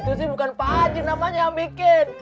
itu sih bukan pak haji namanya yang bikin